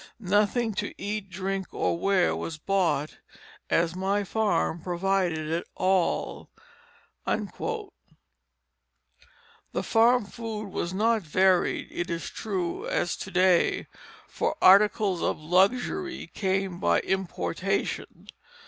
Nothing to eat, drink or wear was bought, as my farm provided all." The farm food was not varied, it is true, as to day; for articles of luxury came by importation.